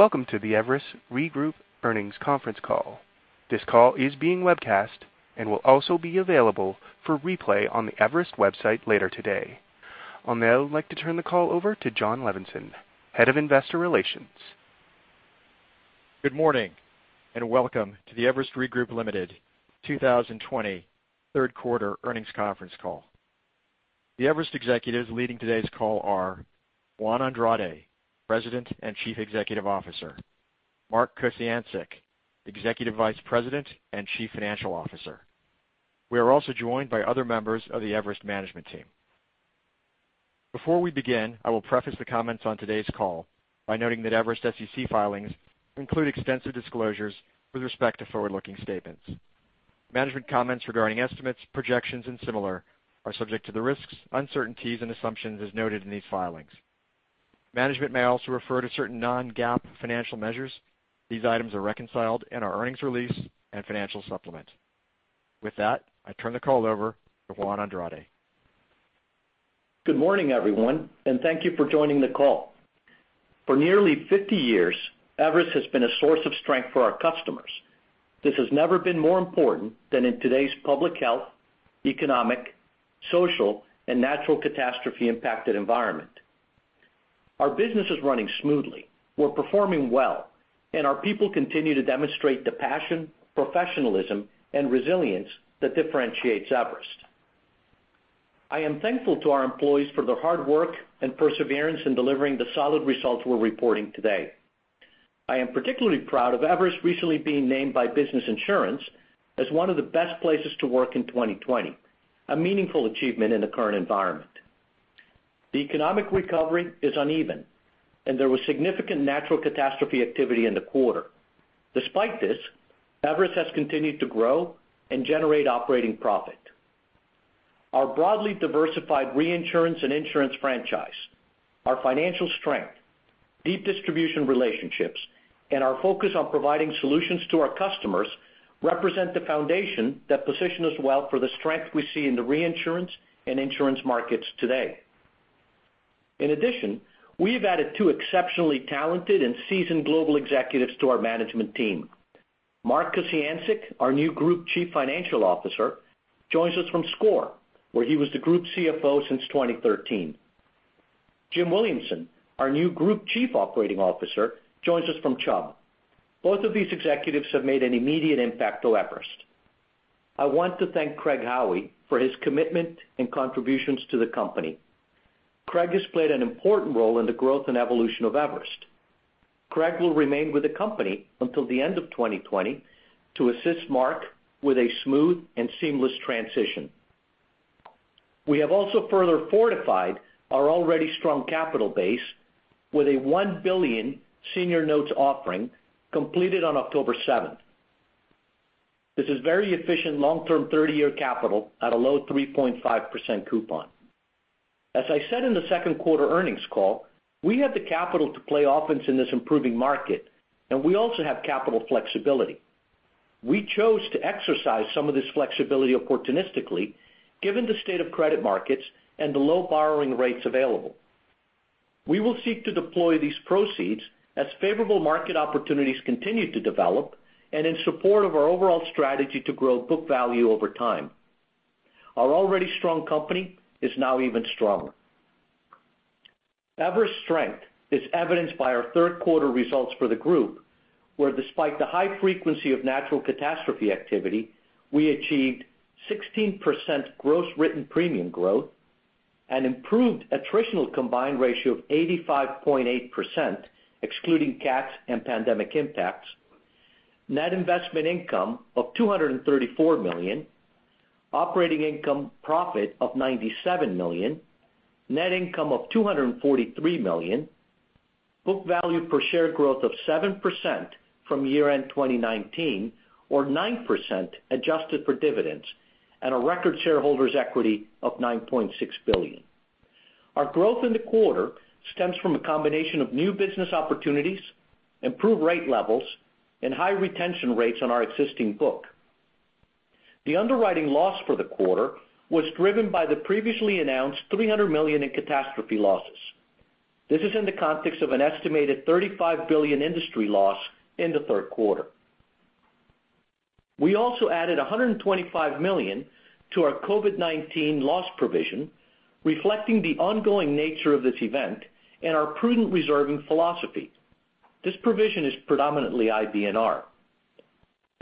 Welcome to the Everest Group Earnings Conference Call. This call is being webcast and will also be available for replay on the Everest website later today. I'll now like to turn the call over to Jon Levenson, Head of Investor Relations. Good morning, welcome to the Everest Re Group, Ltd. 2020 Q3 earnings conference call. The Everest executives leading today's call are Juan Andrade, President and Chief Executive Officer, Mark Kociancic, Executive Vice President and Chief Financial Officer. We are also joined by other members of the Everest management team. Before we begin, I will preface the comments on today's call by noting that Everest SEC filings include extensive disclosures with respect to forward-looking statements. Management comments regarding estimates, projections, and similar are subject to the risks, uncertainties, and assumptions as noted in these filings. Management may also refer to certain non-GAAP financial measures. These items are reconciled in our earnings release and financial supplement. With that, I turn the call over to Juan Andrade. Good morning, everyone, and thank you for joining the call. For nearly 50 years, Everest has been a source of strength for our customers. This has never been more important than in today's public health, economic, social, and natural catastrophe-impacted environment. Our business is running smoothly. We're performing well, and our people continue to demonstrate the passion, professionalism, and resilience that differentiates Everest. I am thankful to our employees for their hard work and perseverance in delivering the solid results we're reporting today. I am particularly proud of Everest recently being named by Business Insurance as one of the Best Places to Work in 2020, a meaningful achievement in the current environment. The economic recovery is uneven, and there was significant natural catastrophe activity in the quarter. Despite this, Everest has continued to grow and generate operating profit. Our broadly diversified reinsurance and insurance franchise, our financial strength, deep distribution relationships, and our focus on providing solutions to our customers represent the foundation that position us well for the strength we see in the reinsurance and insurance markets today. In addition, we've added two exceptionally talented and seasoned global executives to our management team. Mark Kociancic, our new Group Chief Financial Officer, joins us from SCOR, where he was the Group CFO since 2013. Jim Williamson, our new Group Chief Operating Officer, joins us from Chubb. Both of these executives have made an immediate impact to Everest. I want to thank Craig Howie for his commitment and contributions to the company. Craig has played an important role in the growth and evolution of Everest. Craig will remain with the company until the end of 2020 to assist Mark with a smooth and seamless transition. We have also further fortified our already strong capital base with a $1 billion senior notes offering completed on October 7th. This is very efficient long-term 30-year capital at a low 3.5% coupon. As I said in the Q2 earnings call, we have the capital to play offense in this improving market, and we also have capital flexibility. We chose to exercise some of this flexibility opportunistically, given the state of credit markets and the low borrowing rates available. We will seek to deploy these proceeds as favorable market opportunities continue to develop and in support of our overall strategy to grow book value over time. Our already strong company is now even stronger. Everest's strength is evidenced by our Q3 results for the group, where despite the high frequency of natural catastrophe activity, we achieved 16% gross written premium growth and improved attritional combined ratio of 85.8%, excluding cats and pandemic impacts, net investment income of $234 million, operating income profit of $97 million, net income of $243 million, book value per share growth of 7% from year-end 2019 or 9% adjusted for dividends, and a record shareholders equity of $9.6 billion. Our growth in the quarter stems from a combination of new business opportunities, improved rate levels, and high retention rates on our existing book. The underwriting loss for the quarter was driven by the previously announced $300 million in catastrophe losses. This is in the context of an estimated $35 billion industry loss in the Q3. We also added $125 million to our COVID-19 loss provision, reflecting the ongoing nature of this event and our prudent reserving philosophy. This provision is predominantly IBNR.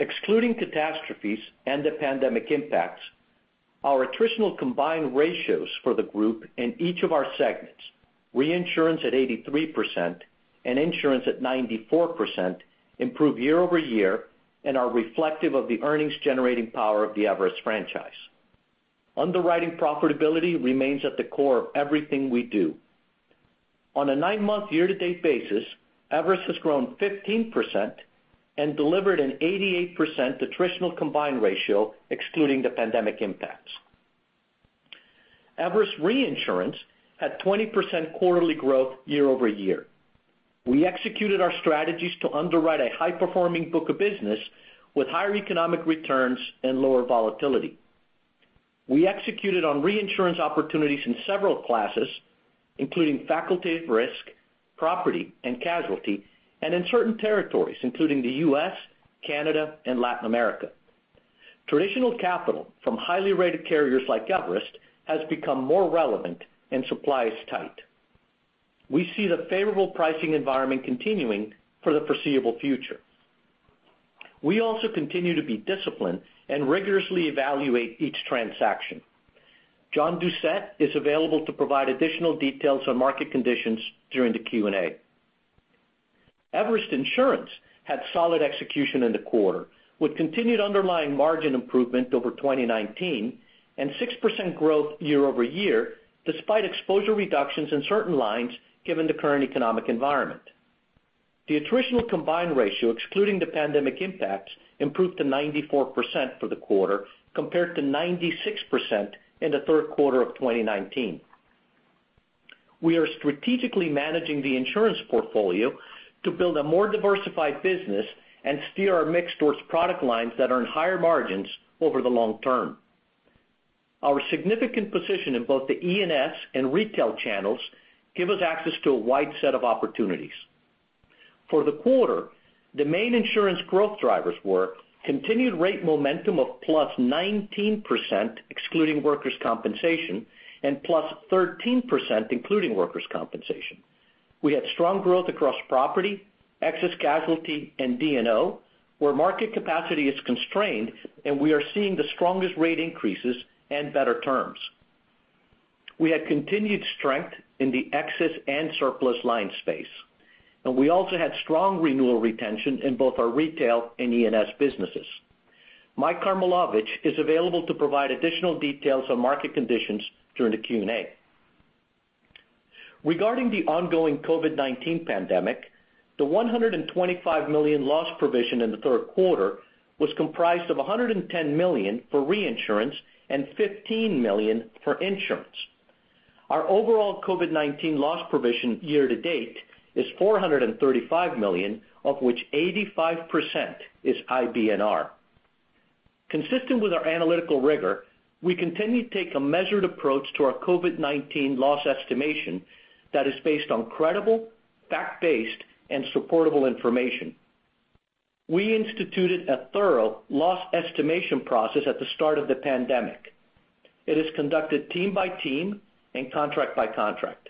Excluding catastrophes and the pandemic impacts, our attritional combined ratios for the group in each of our segments, reinsurance at 83% and insurance at 94%, improve year-over-year and are reflective of the earnings-generating power of the Everest franchise. Underwriting profitability remains at the core of everything we do. On a nine-month year-to-date basis, Everest has grown 15% and delivered an 88% attritional combined ratio excluding the pandemic impacts. Everest Reinsurance had 20% quarterly growth year-over-year. We executed our strategies to underwrite a high-performing book of business with higher economic returns and lower volatility. We executed on reinsurance opportunities in several classes, including facultative, property, and casualty, and in certain territories, including the U.S., Canada, and Latin America. Traditional capital from highly rated carriers like Everest has become more relevant and supply is tight. We see the favorable pricing environment continuing for the foreseeable future. We also continue to be disciplined and rigorously evaluate each transaction. John Doucette is available to provide additional details on market conditions during the Q&A. Everest Insurance had solid execution in the quarter, with continued underlying margin improvement over 2019 and 6% growth year-over-year, despite exposure reductions in certain lines given the current economic environment. The attritional combined ratio, excluding the pandemic impacts, improved to 94% for the quarter compared to 96% in the Q3 of 2019. We are strategically managing the insurance portfolio to build a more diversified business and steer our mix towards product lines that earn higher margins over the long term. Our significant position in both the E&S and retail channels give us access to a wide set of opportunities. For the quarter, the main insurance growth drivers were continued rate momentum of +19%, excluding workers' compensation, and +13%, including workers' compensation. We had strong growth across property, excess casualty, and D&O, where market capacity is constrained, and we are seeing the strongest rate increases and better terms. We had continued strength in the excess and surplus line space, and we also had strong renewal retention in both our retail and E&S businesses. Mike Karmilowicz is available to provide additional details on market conditions during the Q&A. Regarding the ongoing COVID-19 pandemic, the $125 million loss provision in the Q3 was comprised of $110 million for reinsurance and $15 million for insurance. Our overall COVID-19 loss provision year to date is $435 million, of which 85% is IBNR. Consistent with our analytical rigor, we continue to take a measured approach to our COVID-19 loss estimation that is based on credible, fact-based, and supportable information. We instituted a thorough loss estimation process at the start of the pandemic. It is conducted team by team and contract by contract.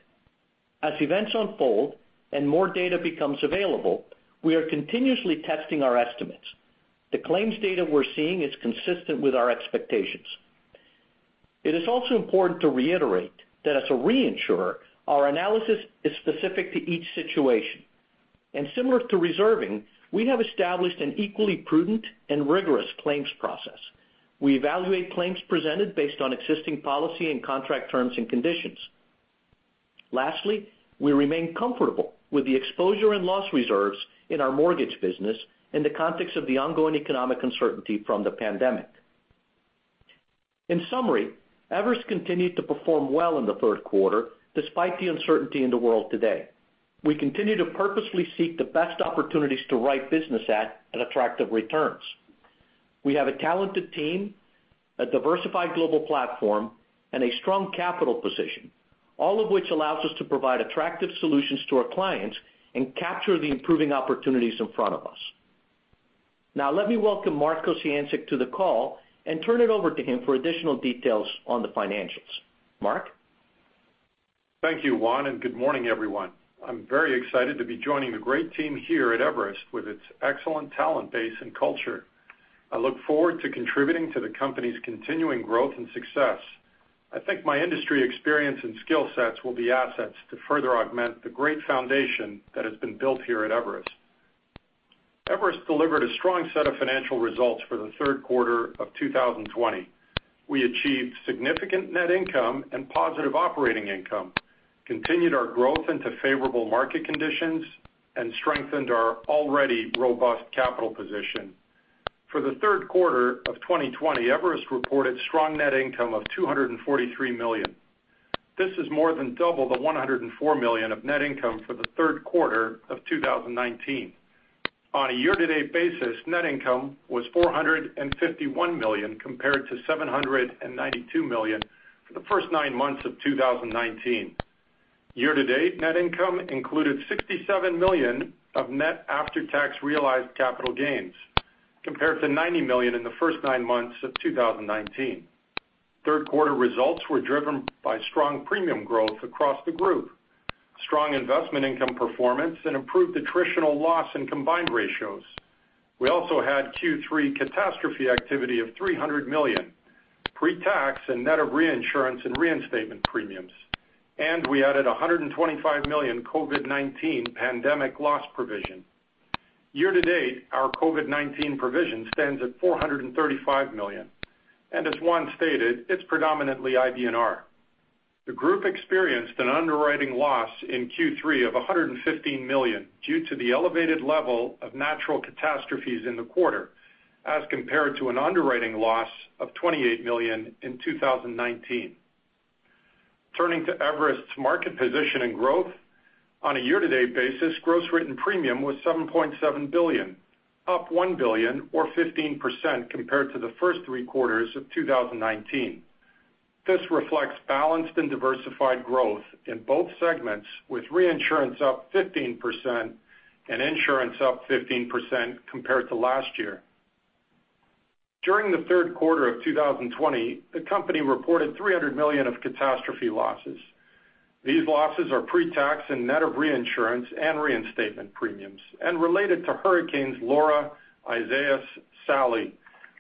As events unfold and more data becomes available, we are continuously testing our estimates. The claims data we're seeing is consistent with our expectations. It is also important to reiterate that as a reinsurer, our analysis is specific to each situation. Similar to reserving, we have established an equally prudent and rigorous claims process. We evaluate claims presented based on existing policy and contract terms and conditions. Lastly, we remain comfortable with the exposure and loss reserves in our mortgage business in the context of the ongoing economic uncertainty from the pandemic. In summary, Everest continued to perform well in the Q3, despite the uncertainty in the world today. We continue to purposefully seek the best opportunities to write business at attractive returns. We have a talented team, a diversified global platform, and a strong capital position, all of which allows us to provide attractive solutions to our clients and capture the improving opportunities in front of us. Now, let me welcome Mark Kociancic to the call and turn it over to him for additional details on the financials. Mark? Thank you, Juan, and good morning, everyone. I'm very excited to be joining the great team here at Everest with its excellent talent base and culture. I look forward to contributing to the company's continuing growth and success. I think my industry experience and skill sets will be assets to further augment the great foundation that has been built here at Everest. Everest delivered a strong set of financial results for the Q3 of 2020. We achieved significant net income and positive operating income, continued our growth into favorable market conditions, and strengthened our already robust capital position. For the Q3 of 2020, Everest reported strong net income of $243 million. This is more than double the $104 million of net income for the Q3 of 2019. On a year-to-date basis, net income was $451 million, compared to $792 million for the first nine months of 2019. Year to date, net income included $67 million of net after-tax realized capital gains, compared to $90 million in the first nine months of 2019. Q3 results were driven by strong premium growth across the group, strong investment income performance, and improved attritional loss and combined ratios. We also had Q3 catastrophe activity of $300 million, pre-tax and net of reinsurance and reinstatement premiums, and we added $125 million COVID-19 pandemic loss provision. Year to date, our COVID-19 provision stands at $435 million, and as Juan stated, it's predominantly IBNR. The group experienced an underwriting loss in Q3 of $115 million due to the elevated level of natural catastrophes in the quarter, as compared to an underwriting loss of $28 million in 2019. Turning to Everest's market position and growth. On a year-to-date basis, gross written premium was $7.7 billion, up $1 billion or 15% compared to the first three quarters of 2019. This reflects balanced and diversified growth in both segments, with reinsurance up 15% and insurance up 15% compared to last year. During the Q3 of 2020, the company reported $300 million of catastrophe losses. These losses are pre-tax and net of reinsurance and reinstatement premiums and related to hurricanes Laura, Isaias, Sally,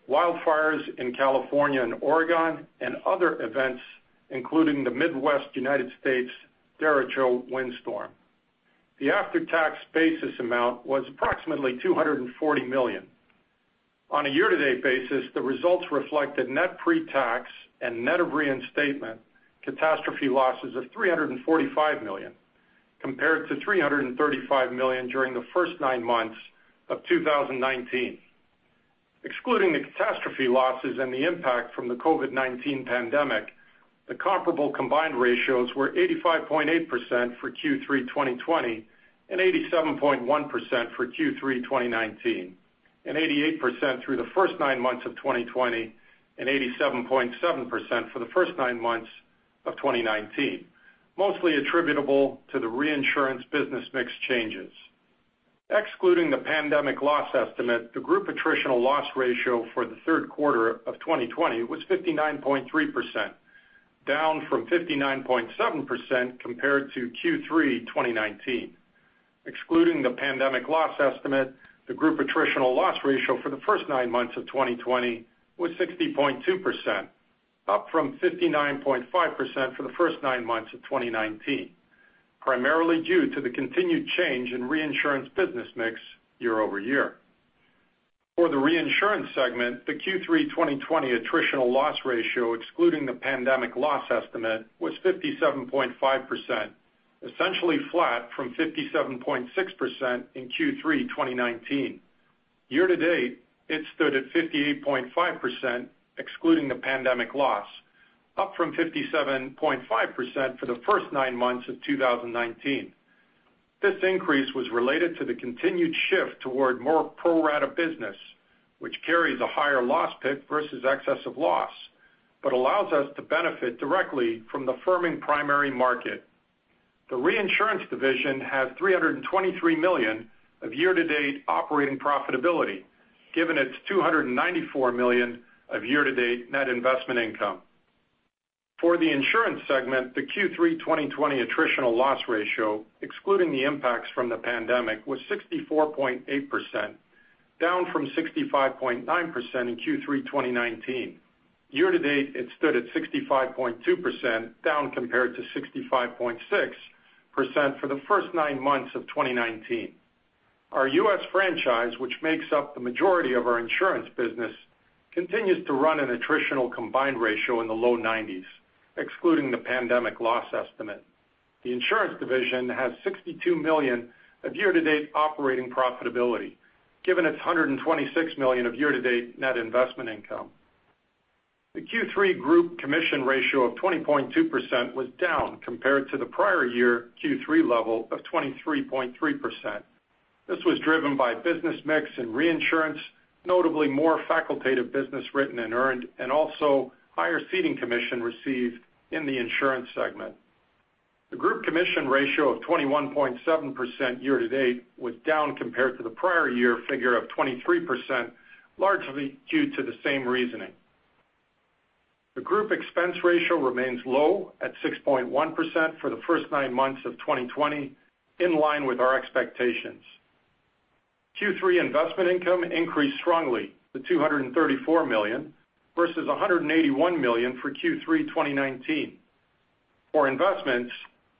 wildfires in California and Oregon, and other events, including the Midwest U.S. derecho windstorm. The after-tax basis amount was approximately $240 million. On a year-to-date basis, the results reflected net pre-tax and net of reinstatement catastrophe losses of $345 million, compared to $335 million during the first nine months of 2019. Excluding the catastrophe losses and the impact from the COVID-19 pandemic, the comparable combined ratios were 85.8% for Q3 2020 and 87.1% for Q3 2019, and 88% through the first nine months of 2020 and 87.7% for the first nine months of 2019, mostly attributable to the reinsurance business mix changes. Excluding the pandemic loss estimate, the group attritional loss ratio for the Q3 of 2020 was 59.3%, down from 59.7% compared to Q3 2019. Excluding the pandemic loss estimate, the group attritional loss ratio for the first nine months of 2020 was 60.2%, up from 59.5% for the first nine months of 2019, primarily due to the continued change in reinsurance business mix year-over-year. For the reinsurance segment, the Q3 2020 attritional loss ratio, excluding the pandemic loss estimate, was 57.5%, essentially flat from 57.6% in Q3 2019. Year to date, it stood at 58.5%, excluding the pandemic loss, up from 57.5% for the first nine months of 2019. This increase was related to the continued shift toward more pro-rata business, which carries a higher loss pick versus excess of loss, but allows us to benefit directly from the firming primary market. The reinsurance division had $323 million of year-to-date operating profitability, given its $294 million of year-to-date net investment income. For the insurance segment, the Q3 2020 attritional loss ratio, excluding the impacts from the pandemic, was 64.8%, down from 65.9% in Q3 2019. Year to date, it stood at 65.2%, down compared to 65.6% for the first nine months of 2019. Our U.S. franchise, which makes up the majority of our insurance business, continues to run an attritional combined ratio in the low 90s, excluding the pandemic loss estimate. The insurance division has $62 million of year-to-date operating profitability, given its $126 million of year-to-date net investment income. The Q3 group commission ratio of 20.2% was down compared to the prior year Q3 level of 23.3%. This was driven by business mix and reinsurance, notably more facultative business written and earned, and also higher ceding commission received in the insurance segment. The group commission ratio of 21.7% year-to-date was down compared to the prior year figure of 23%, largely due to the same reasoning. The group expense ratio remains low at 6.1% for the first nine months of 2020, in line with our expectations. Q3 investment income increased strongly to $234 million versus $181 million for Q3 2019. For investments,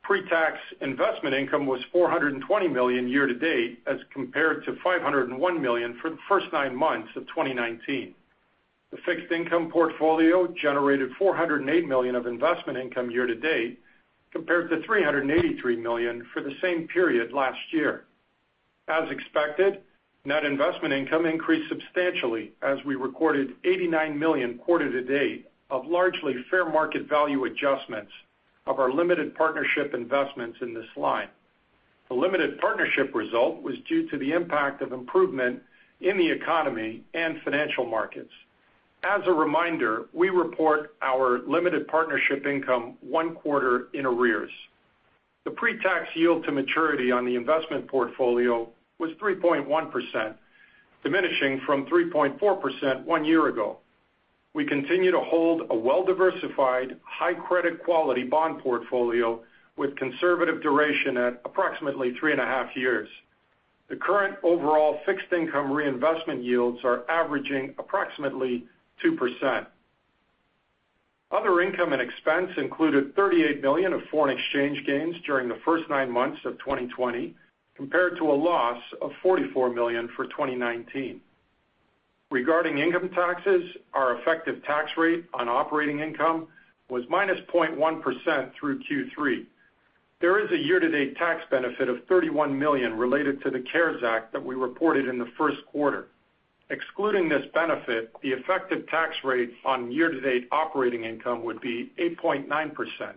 pre-tax investment income was $420 million year-to-date as compared to $501 million for the first nine months of 2019. The fixed income portfolio generated $408 million of investment income year-to-date, compared to $383 million for the same period last year. As expected, net investment income increased substantially as we recorded $89 million quarter-to-date of largely fair market value adjustments of our limited partnership investments in this line. The limited partnership result was due to the impact of improvement in the economy and financial markets. As a reminder, we report our limited partnership income one quarter in arrears. The pre-tax yield to maturity on the investment portfolio was 3.1%, diminishing from 3.4% one year ago. We continue to hold a well-diversified, high credit quality bond portfolio with conservative duration at approximately three and a half years. The current overall fixed income reinvestment yields are averaging approximately 2%. Other income and expense included $38 million of foreign exchange gains during the first nine months of 2020, compared to a loss of $44 million for 2019. Regarding income taxes, our effective tax rate on operating income was -0.1% through Q3. There is a year-to-date tax benefit of $31 million related to the CARES Act that we reported in the Q1. Excluding this benefit, the effective tax rate on year to date operating income would be 8.9%.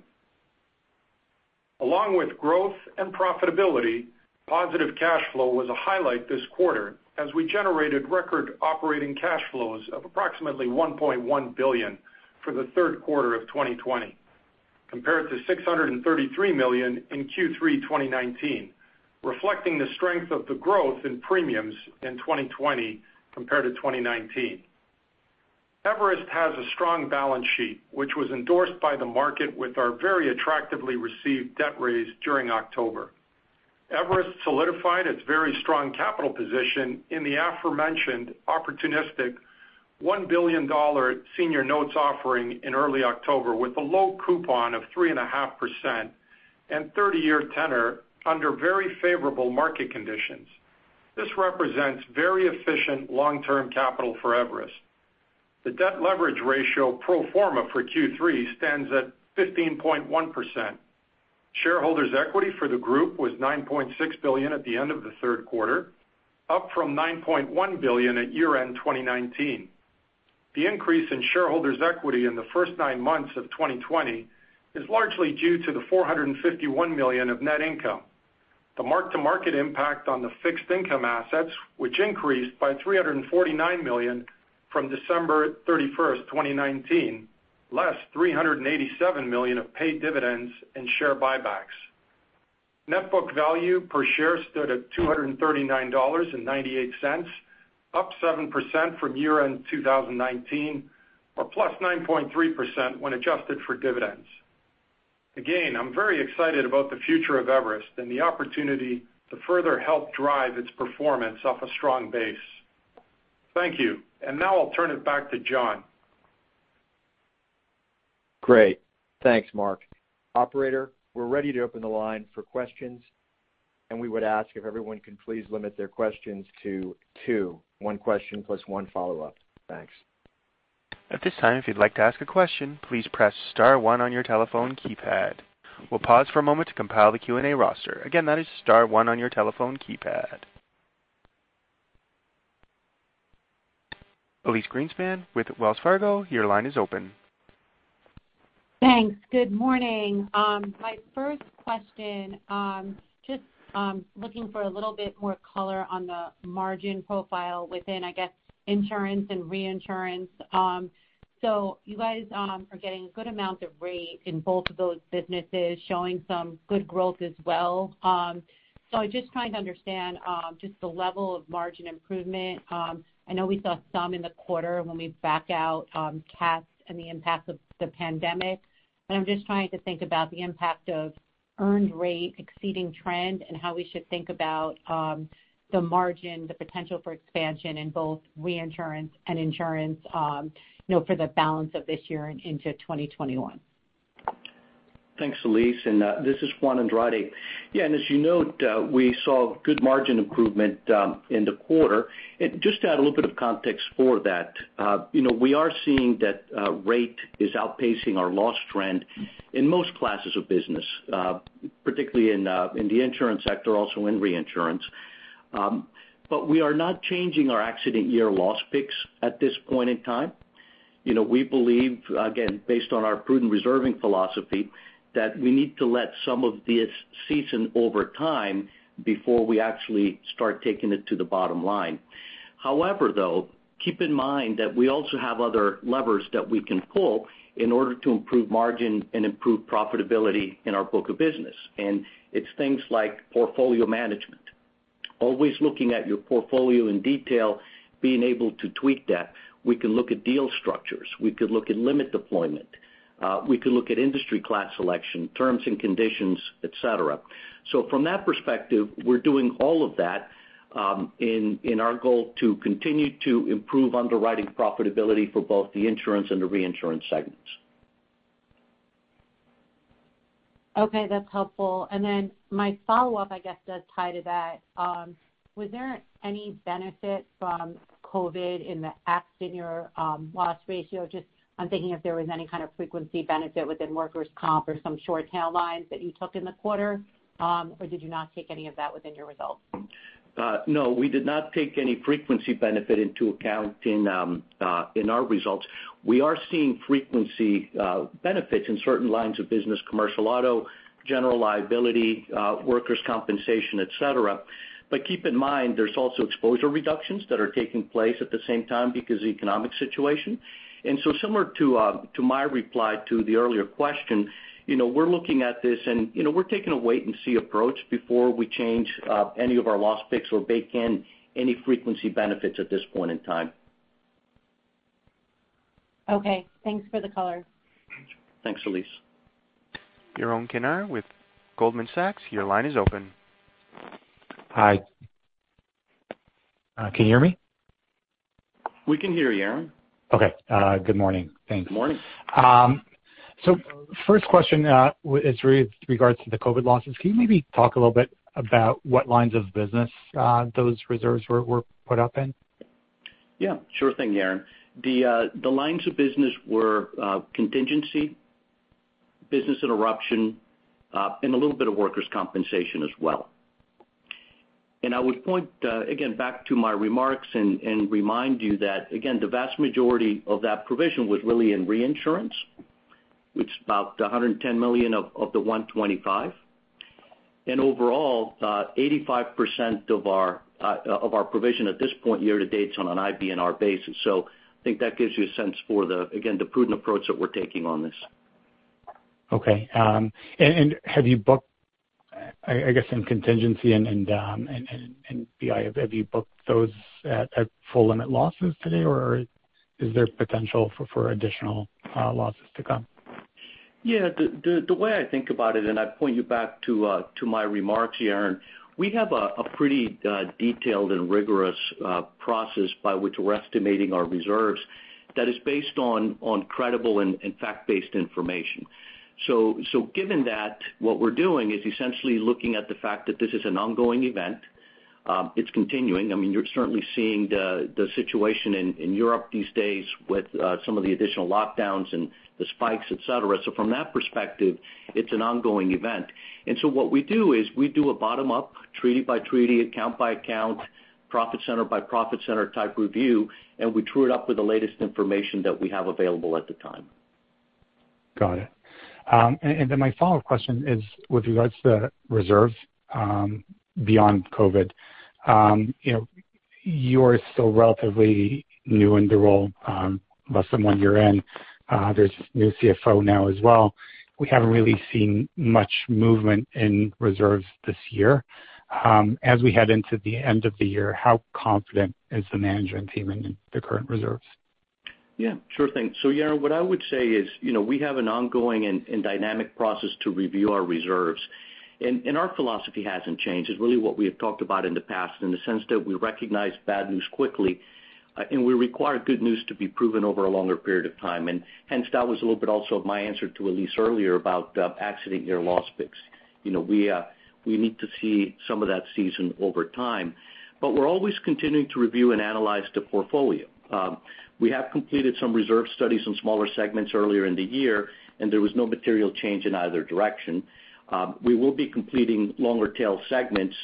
Along with growth and profitability, positive cash flow was a highlight this quarter as we generated record operating cash flows of approximately $1.1 billion for the Q3 of 2020, compared to $633 million in Q3 2019, reflecting the strength of the growth in premiums in 2020 compared to 2019. Everest has a strong balance sheet, which was endorsed by the market with our very attractively received debt raise during October. Everest solidified its very strong capital position in the aforementioned opportunistic $1 billion senior notes offering in early October, with a low coupon of 3.5% and 30-year tenor under very favorable market conditions. This represents very efficient long-term capital for Everest. The debt leverage ratio pro forma for Q3 stands at 15.1%. Shareholders' equity for the group was $9.6 billion at the end of the Q3, up from $9.1 billion at year-end 2019. The increase in shareholders' equity in the first nine months of 2020 is largely due to the $451 million of net income. The mark-to-market impact on the fixed income assets, which increased by $349 million from December 31st, 2019, less $387 million of paid dividends and share buybacks. Net book value per share stood at $239.98, up 7% from year-end 2019, or plus 9.3% when adjusted for dividends. Again, I'm very excited about the future of Everest and the opportunity to further help drive its performance off a strong base. Thank you. Now I'll turn it back to John. Great. Thanks, Mark. Operator, we're ready to open the line for questions, and we would ask if everyone can please limit their questions to two, one question plus one follow-up. Thanks. At this time, if you'd like to ask a question, please press star one on your telephone keypad. We'll pause for a moment to compile the Q&A roster. Again, that is star one on your telephone keypad. Elyse Greenspan with Wells Fargo, your line is open. Thanks. Good morning. My first question, just looking for a little bit more color on the margin profile within, I guess, insurance and reinsurance. You guys are getting a good amount of rate in both of those businesses, showing some good growth as well. I'm just trying to understand just the level of margin improvement. I know we saw some in the quarter when we back out CATs and the impact of the pandemic, but I'm just trying to think about the impact of earned rate exceeding trend and how we should think about the margin, the potential for expansion in both reinsurance and insurance for the balance of this year and into 2021. Thanks, Elyse, and this is Juan Andrade. As you note, we saw good margin improvement in the quarter. Just to add a little bit of context for that, we are seeing that rate is outpacing our loss trend in most classes of business, particularly in the insurance sector, also in reinsurance. We are not changing our accident year loss picks at this point in time. We believe, again, based on our prudent reserving philosophy, that we need to let some of this season over time before we actually start taking it to the bottom line. However, though, keep in mind that we also have other levers that we can pull in order to improve margin and improve profitability in our book of business. It's things like portfolio management, always looking at your portfolio in detail, being able to tweak that. We can look at deal structures. We could look at limit deployment. We could look at industry class selection, terms and conditions, et cetera. From that perspective, we're doing all of that in our goal to continue to improve underwriting profitability for both the insurance and the reinsurance segments. Okay, that's helpful. My follow-up, I guess, does tie to that. Was there any benefit from COVID in the accident year loss ratio? Just I'm thinking if there was any kind of frequency benefit within workers' comp or some short tail lines that you took in the quarter, or did you not take any of that within your results? No, we did not take any frequency benefit into account in our results. We are seeing frequency benefits in certain lines of business, commercial auto, general liability, workers' compensation, et cetera. Keep in mind, there's also exposure reductions that are taking place at the same time because of the economic situation. Similar to my reply to the earlier question, we're looking at this and we're taking a wait and see approach before we change any of our loss picks or bake in any frequency benefits at this point in time. Okay, thanks for the color. Thanks, Elyse. Yaron Kinar with Goldman Sachs, your line is open. Hi. Can you hear me? We can hear you, Yaron. Okay. Good morning. Thanks. Good morning. First question is with regards to the COVID losses. Can you maybe talk a little bit about what lines of business those reserves were put up in? Sure thing, Yaron. The lines of business were contingency, business interruption, and a little bit of workers' compensation as well. I would point, again, back to my remarks and remind you that, again, the vast majority of that provision was really in reinsurance, which is about $110 million of the $125 million. Overall, 85% of our provision at this point year to date is on an IBNR basis. I think that gives you a sense for the, again, the prudent approach that we're taking on this. Okay. Have you booked, I guess, in contingency and BI, have you booked those at full limit losses today or is there potential for additional losses to come? Yeah. The way I think about it, and I point you back to my remarks, Yaron, we have a pretty detailed and rigorous process by which we're estimating our reserves that is based on credible and fact-based information. Given that, what we're doing is essentially looking at the fact that this is an ongoing event. It's continuing. I mean, you're certainly seeing the situation in Europe these days with some of the additional lockdowns and the spikes, et cetera. From that perspective, it's an ongoing event. What we do is we do a bottom-up, treaty-by-treaty, account-by-account, profit center by profit center type review, and we true it up with the latest information that we have available at the time. Got it. My follow-up question is with regards to reserves, beyond COVID. You're still relatively new in the role, less than one year in. There's a new CFO now as well. We haven't really seen much movement in reserves this year. As we head into the end of the year, how confident is the management team in the current reserves? Yeah, sure thing. Yaron, what I would say is we have an ongoing and dynamic process to review our reserves. Our philosophy hasn't changed. It's really what we have talked about in the past in the sense that we recognize bad news quickly, and we require good news to be proven over a longer period of time. Hence that was a little bit also of my answer to Elyse earlier about accident year loss picks. We need to see some of that season over time. We're always continuing to review and analyze the portfolio. We have completed some reserve studies on smaller segments earlier in the year, and there was no material change in either direction. We will be completing longer tail segments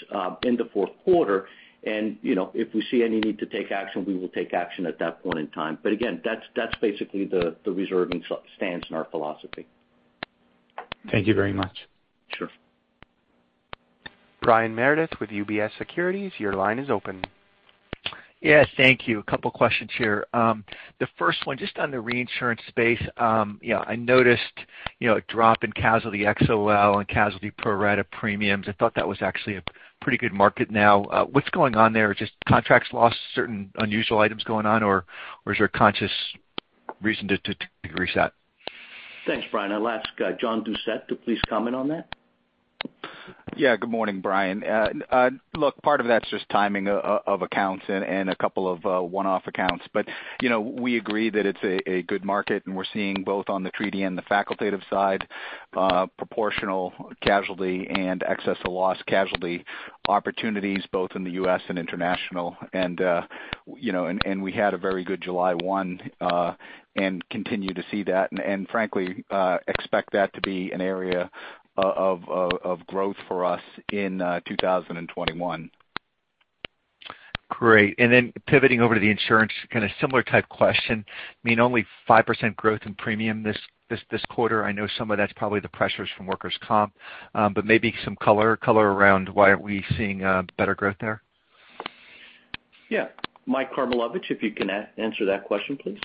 in the Q4, and if we see any need to take action, we will take action at that point in time. Again, that's basically the reserve stance in our philosophy. Thank you very much. Sure. Brian Meredith with UBS Securities, your line is open. Yes, thank you. A couple questions here. The first one, just on the reinsurance space. I noticed a drop in casualty XOL and casualty pro-rata premiums. I thought that was actually a pretty good market now. What's going on there? Just contracts lost, certain unusual items going on, or is there a conscious reason to reset? Thanks, Brian. I'll ask John Doucette to please comment on that. Good morning, Brian. Look, part of that's just timing of accounts and a couple of one-off accounts. We agree that it's a good market, and we're seeing both on the treaty and the facultative side, proportional casualty and excess of loss casualty opportunities both in the U.S. and international. We had a very good July 1 and continue to see that, and frankly, expect that to be an area of growth for us in 2021. Great. Then pivoting over to the insurance, kind of similar type question. I mean, only 5% growth in premium this quarter. I know some of that's probably the pressures from workers' comp, maybe some color around why aren't we seeing better growth there? Yeah. Mike Karmilowicz, if you can answer that question, please.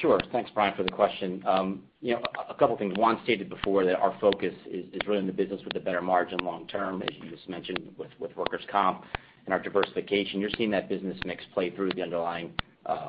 Sure. Thanks, Brian, for the question. A couple things. Juan stated before that our focus is really in the business with the better margin long term, as you just mentioned, with workers' comp and our diversification. You're seeing that business mix play through the underlying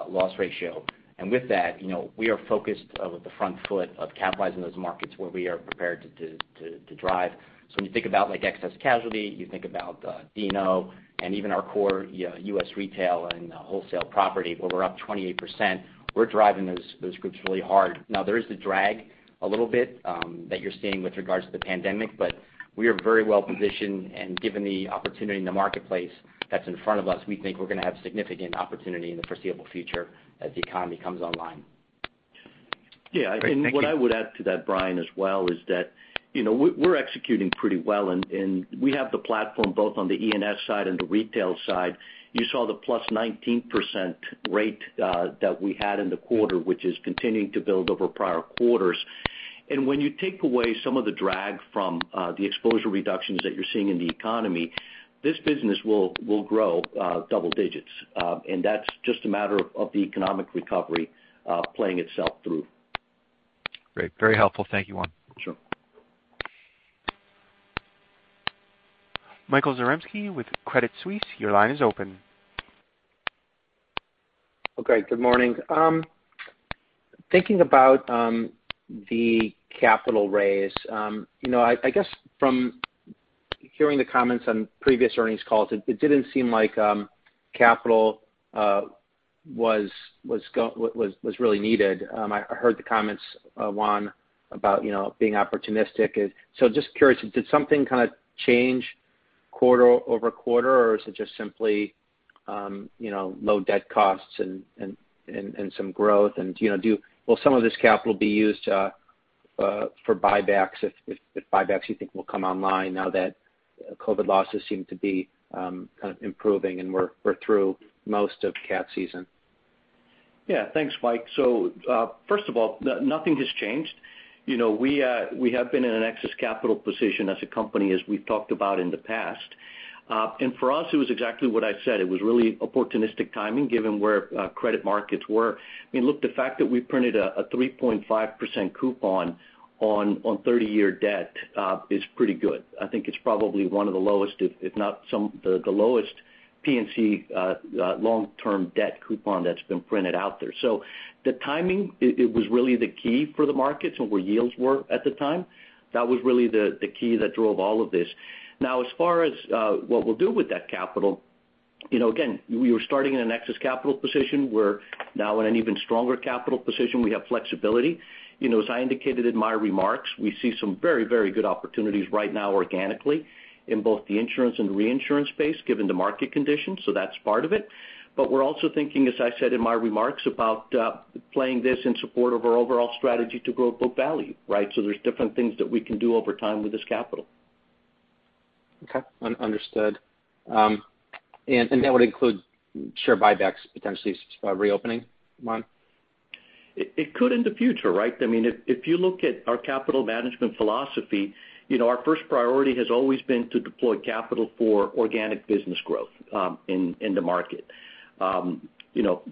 loss ratio. With that, we are focused on the front foot of capitalizing those markets where we are prepared to drive. When you think about excess casualty, you think about D&O and even our core U.S. retail and wholesale property where we're up 28%, we're driving those groups really hard. Now, there is the drag a little bit that you're seeing with regards to the pandemic, but we are very well-positioned, and given the opportunity in the marketplace that's in front of us, we think we're going to have significant opportunity in the foreseeable future as the economy comes online. Great. Thank you. Yeah. What I would add to that, Brian, as well, is that we're executing pretty well, and we have the platform both on the E&S side and the retail side. You saw the plus 19% rate that we had in the quarter, which is continuing to build over prior quarters. When you take away some of the drag from the exposure reductions that you're seeing in the economy, this business will grow double digits. That's just a matter of the economic recovery playing itself through. Great. Very helpful. Thank you, Juan. Sure. Michael Zaremski with Credit Suisse, your line is open. Okay, good morning. Thinking about the capital raise. I guess from hearing the comments on previous earnings calls, it didn't seem like capital was really needed. I heard the comments, Juan about being opportunistic. Just curious, did something kind of change quarter-over-quarter? Is it just simply low debt costs and some growth? Will some of this capital be used for buybacks, if buybacks you think will come online now that COVID losses seem to be kind of improving and we're through most of cat season? Yeah. Thanks, Mike. First of all, nothing has changed. We have been in an excess capital position as a company, as we've talked about in the past. For us, it was exactly what I said. It was really opportunistic timing given where credit markets were. I mean, look, the fact that we printed a 3.5% coupon on 30-year debt is pretty good. I think it's probably one of the lowest, if not the lowest P&C long-term debt coupon that's been printed out there. The timing, it was really the key for the markets and where yields were at the time. That was really the key that drove all of this. Now, as far as what we'll do with that capital, again, we were starting in an excess capital position. We're now in an even stronger capital position. We have flexibility. As I indicated in my remarks, we see some very good opportunities right now organically in both the insurance and reinsurance space, given the market conditions, that's part of it. We're also thinking, as I said in my remarks, about playing this in support of our overall strategy to grow book value, right? There's different things that we can do over time with this capital. Okay. Understood. That would include share buybacks potentially reopening, Juan? It could in the future, right? I mean, if you look at our capital management philosophy, our first priority has always been to deploy capital for organic business growth in the market.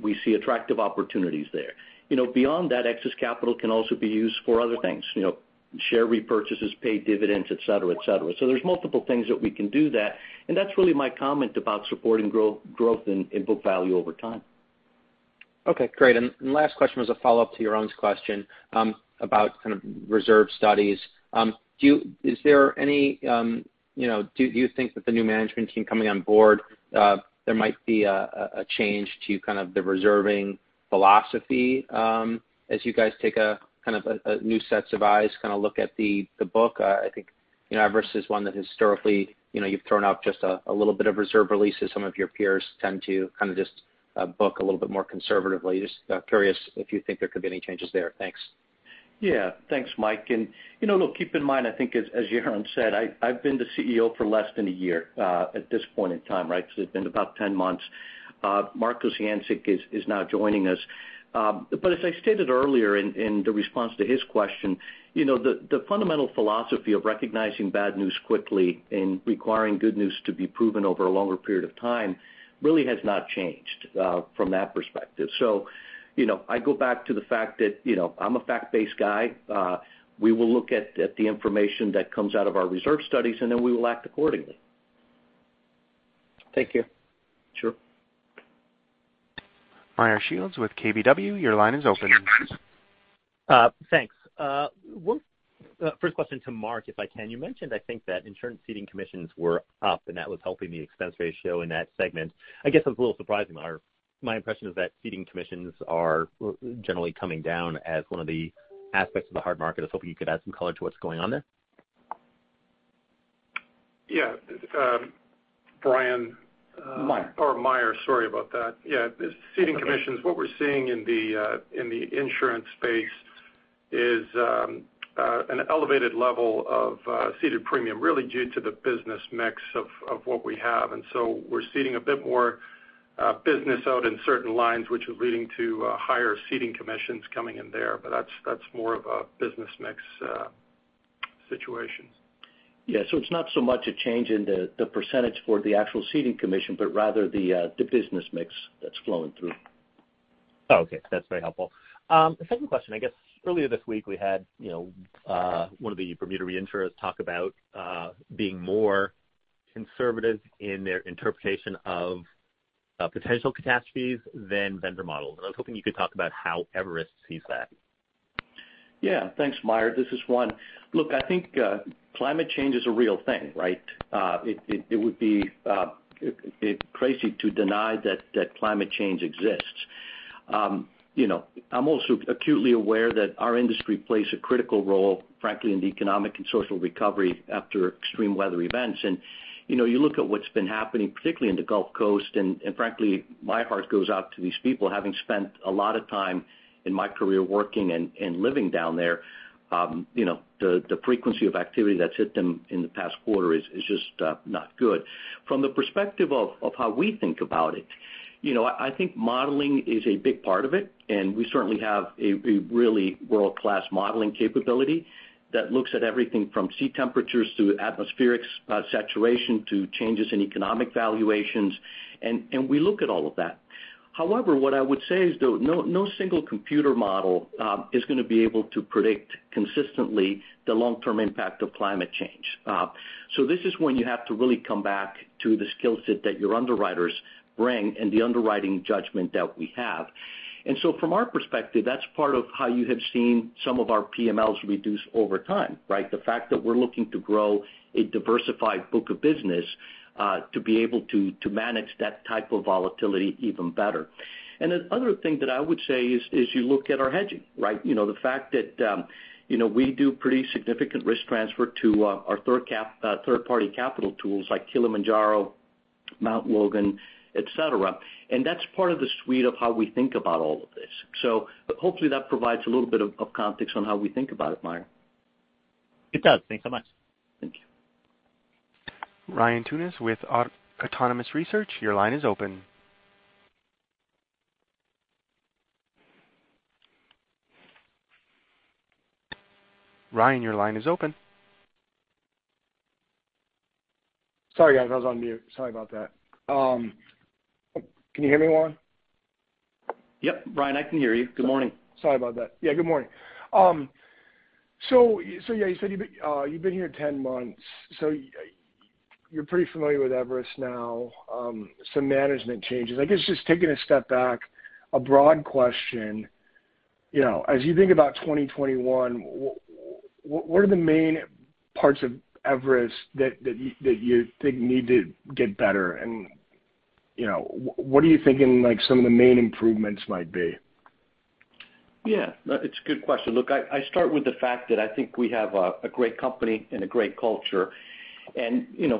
We see attractive opportunities there. Beyond that, excess capital can also be used for other things, share repurchases, pay dividends, et cetera. There's multiple things that we can do that, and that's really my comment about supporting growth in book value over time. Okay, great. Last question was a follow-up to Yaron's question about kind of reserve studies. Do you think that the new management team coming on board there might be a change to kind of the reserving philosophy as you guys take a kind of a new sets of eyes kind of look at the book? I think Everest is one that historically you've thrown out just a little bit of reserve releases. Some of your peers tend to kind of just book a little bit more conservatively. Just curious if you think there could be any changes there. Thanks. Yeah. Thanks, Mike. Look, keep in mind, I think as Yaron said, I've been the CEO for less than a year at this point in time, right? It's been about 10 months. Mark Kociancic is now joining us. As I stated earlier in the response to his question, the fundamental philosophy of recognizing bad news quickly and requiring good news to be proven over a longer period of time really has not changed from that perspective. I go back to the fact that I'm a fact-based guy. We will look at the information that comes out of our reserve studies, and then we will act accordingly. Thank you. Sure. Meyer Shields with KBW, your line is open. Thanks. First question to Mark, if I can. You mentioned, I think, that insurance ceding commissions were up and that was helping the expense ratio in that segment. I guess I was a little surprised, Meyer. My impression is that ceding commissions are generally coming down as one of the aspects of the hard market. I was hoping you could add some color to what's going on there? Yeah. Brian. Meyer. Meyer, sorry about that. Yeah. Okay. Ceding commissions, what we're seeing in the insurance space is an elevated level of ceded premium, really due to the business mix of what we have. We're ceding a bit more business out in certain lines, which is leading to higher ceding commissions coming in there, but that's more of a business mix situation. Yeah. It's not so much a change in the percentage for the actual ceding commission, but rather the business mix that's flowing through. Oh, okay. That's very helpful. The second question, I guess earlier this week, we had one of the Bermuda reinsurers talk about being more conservative in their interpretation of potential catastrophes than vendor models, and I was hoping you could talk about how Everest sees that? Thanks, Meyer. This is Juan. Look, I think climate change is a real thing, right? It would be crazy to deny that climate change exists. I'm also acutely aware that our industry plays a critical role, frankly, in the economic and social recovery after extreme weather events. You look at what's been happening, particularly in the Gulf Coast, and frankly, my heart goes out to these people, having spent a lot of time in my career working and living down there. The frequency of activity that's hit them in the past quarter is just not good. From the perspective of how we think about it, I think modeling is a big part of it, and we certainly have a really world-class modeling capability that looks at everything from sea temperatures to atmospheric saturation to changes in economic valuations, and we look at all of that. However, what I would say is though, no single computer model is going to be able to predict consistently the long-term impact of climate change. This is when you have to really come back to the skill set that your underwriters bring and the underwriting judgment that we have. From our perspective, that's part of how you have seen some of our PMLs reduce over time, right? The fact that we're looking to grow a diversified book of business to be able to manage that type of volatility even better. Another thing that I would say is you look at our hedging, right? The fact that we do pretty significant risk transfer to our third-party capital tools like Kilimanjaro Re, Mt. Logan, et cetera. That's part of the suite of how we think about all of this. Hopefully that provides a little bit of context on how we think about it, Meyer. It does. Thanks so much. Thank you. Ryan Tunis with Autonomous Research, your line is open. Ryan, your line is open. Sorry, guys, I was on mute. Sorry about that. Can you hear me, Juan? Yep, Ryan, I can hear you. Good morning. Sorry about that. Yeah, good morning. Yeah, you said you've been here 10 months, so you're pretty familiar with Everest now. Some management changes. I guess just taking a step back, a broad question, as you think about 2021, what are the main parts of Everest that you think need to get better? What are you thinking some of the main improvements might be? Yeah. No, it's a good question. Look, I start with the fact that I think we have a great company and a great culture.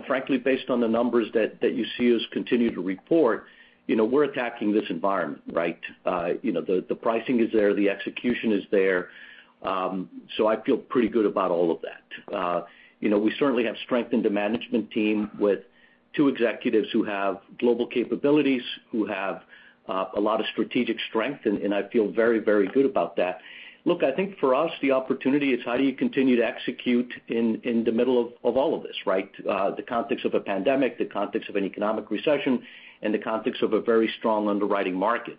Frankly, based on the numbers that you see us continue to report, we're attacking this environment, right? The pricing is there, the execution is there. I feel pretty good about all of that. We certainly have strengthened the management team with two executives who have global capabilities, who have a lot of strategic strength, and I feel very, very good about that. Look, I think for us, the opportunity is how do you continue to execute in the middle of all of this, right? The context of a pandemic, the context of an economic recession, and the context of a very strong underwriting market.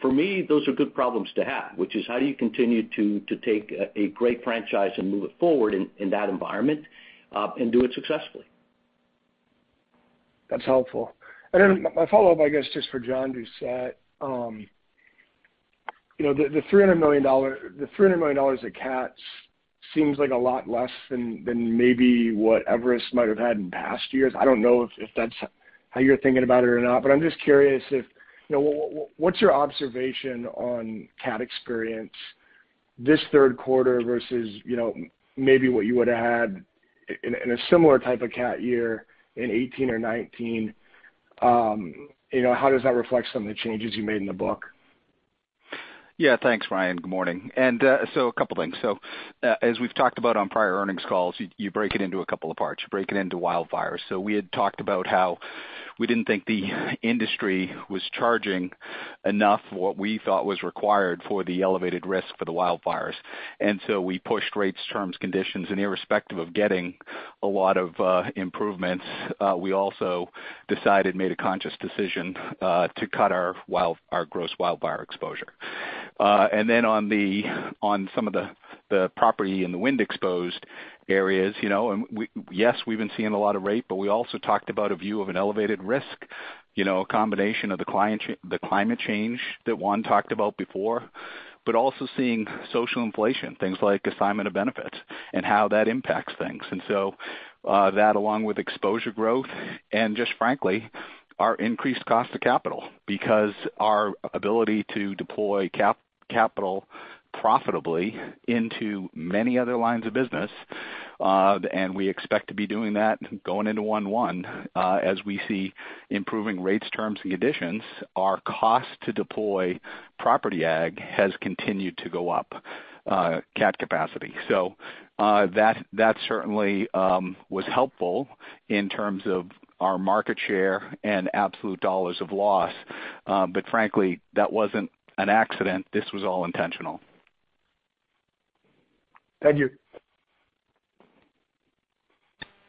For me, those are good problems to have, which is how do you continue to take a great franchise and move it forward in that environment, and do it successfully. That's helpful. My follow-up, I guess, just for John Doucette. The $300 million of cats seems like a lot less than maybe what Everest might have had in past years. I don't know if that's how you're thinking about it or not, but I'm just curious, what's your observation on cat experience this Q3 versus maybe what you would've had in a similar type of cat year in 2018 or 2019? How does that reflect some of the changes you made in the book? Yeah. Thanks, Ryan. Good morning. A couple things. As we've talked about on prior earnings calls, you break it into a couple of parts. You break it into wildfires. We had talked about how we didn't think the industry was charging enough what we thought was required for the elevated risk for the wildfires. We pushed rates, terms, conditions, and irrespective of getting a lot of improvements, we also decided, made a conscious decision, to cut our gross wildfire exposure. On some of the property and the wind-exposed areas, yes, we've been seeing a lot of rate, but we also talked about a view of an elevated risk, a combination of the climate change that Juan talked about before, but also seeing social inflation, things like assignment of benefits and how that impacts things. That along with exposure growth and just frankly, our increased cost of capital because our ability to deploy capital profitably into many other lines of business, and we expect to be doing that going into one-one as we see improving rates, terms, and conditions. Our cost to deploy property agg has continued to go up cat capacity. That certainly was helpful in terms of our market share and absolute dollars of loss. Frankly, that wasn't an accident. This was all intentional. Thank you.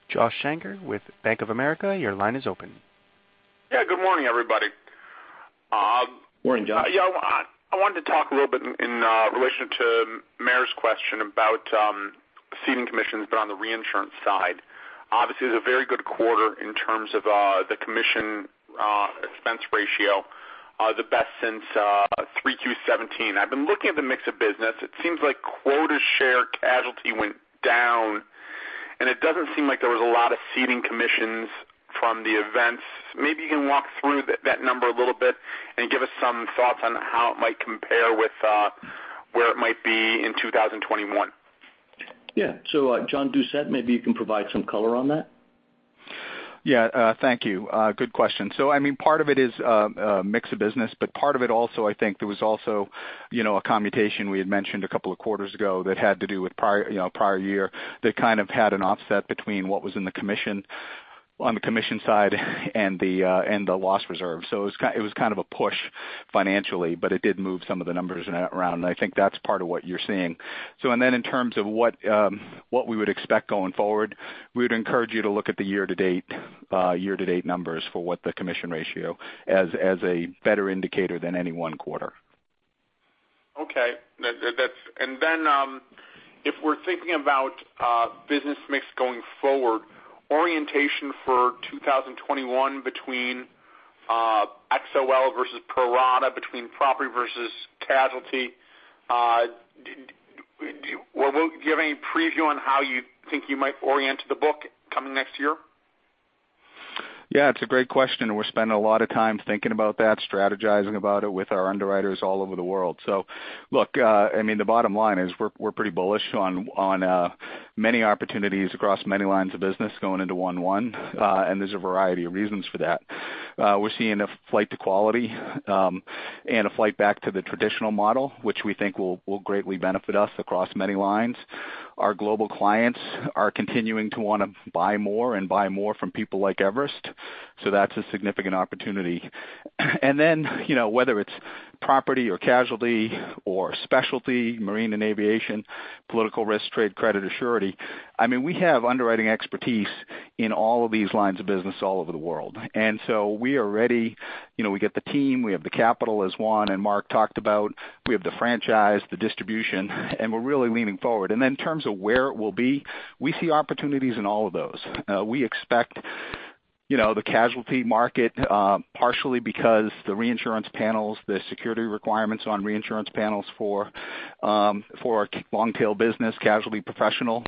Josh Shanker with Bank of America, your line is open. Yeah. Good morning, everybody. Morning, Josh. Yeah. I wanted to talk a little bit in relation to Meyer's question about ceding commissions, but on the reinsurance side. Obviously, it was a very good quarter in terms of the commission expense ratio, the best since 3Q 2017. I've been looking at the mix of business. It seems like quota share casualty went down, and it doesn't seem like there was a lot of ceding commissions from the events. Maybe you can walk through that number a little bit and give us some thoughts on how it might compare with where it might be in 2021. Yeah. John Doucette, maybe you can provide some color on that. Thank you. Good question. Part of it is mix of business, but part of it also, I think, there was also a commutation we had mentioned a couple of quarters ago that had to do with prior year that kind of had an offset between what was on the commission side and the loss reserve. It was kind of a push financially, but it did move some of the numbers around, and I think that's part of what you're seeing. In terms of what we would expect going forward, we would encourage you to look at the year-to-date numbers for what the commission ratio as a better indicator than any one quarter. Okay. If we're thinking about business mix going forward, orientation for 2021 between XOL versus pro rata, between property versus casualty, do you have any preview on how you think you might orient the book coming next year? Yeah, it's a great question. We're spending a lot of time thinking about that, strategizing about it with our underwriters all over the world. Look, the bottom line is we're pretty bullish on many opportunities across many lines of business going into one-one. There's a variety of reasons for that. We're seeing a flight to quality and a flight back to the traditional model, which we think will greatly benefit us across many lines. Our global clients are continuing to want to buy more and buy more from people like Everest. That's a significant opportunity. Then, whether it's property or casualty or specialty, marine and aviation, political risk, trade credit, or surety, we have underwriting expertise in all of these lines of business all over the world. We are ready. We get the team, we have the capital, as Juan and Mark talked about. We have the franchise, the distribution, and we're really leaning forward. In terms of where it will be, we see opportunities in all of those. We expect the casualty market, partially because the reinsurance panels, the security requirements on reinsurance panels for our long-tail business, casualty professional.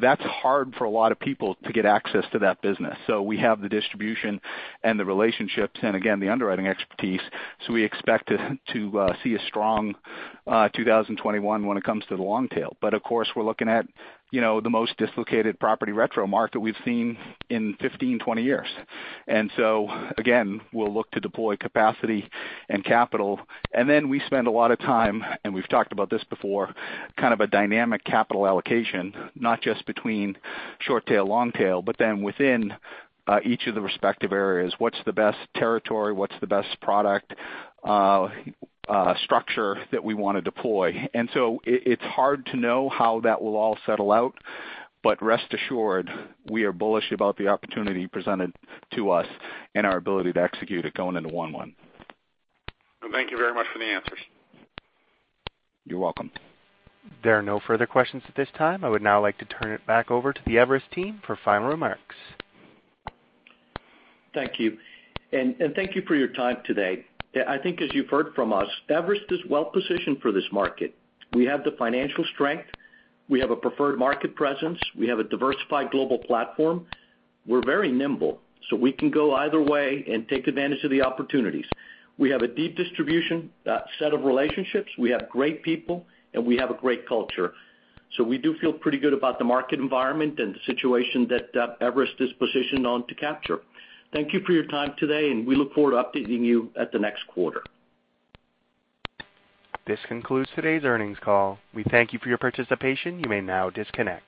That's hard for a lot of people to get access to that business. We have the distribution and the relationships and again, the underwriting expertise. We expect to see a strong 2021 when it comes to the long tail. Of course, we're looking at the most dislocated property retro market we've seen in 15, 20 years. Again, we'll look to deploy capacity and capital. We spend a lot of time, and we've talked about this before, kind of a dynamic capital allocation, not just between short tail, long tail, but then within each of the respective areas. What's the best territory? What's the best product structure that we want to deploy? It's hard to know how that will all settle out, but rest assured, we are bullish about the opportunity presented to us and our ability to execute it going into one-one. Thank you very much for the answers. You're welcome. There are no further questions at this time. I would now like to turn it back over to the Everest team for final remarks. Thank you. Thank you for your time today. I think as you've heard from us, Everest is well-positioned for this market. We have the financial strength, we have a preferred market presence, we have a diversified global platform. We're very nimble, so we can go either way and take advantage of the opportunities. We have a deep distribution set of relationships, we have great people, and we have a great culture. We do feel pretty good about the market environment and the situation that Everest is positioned on to capture. Thank you for your time today, and we look forward to updating you at the next quarter. This concludes today's earnings call. We thank you for your participation. You may now disconnect.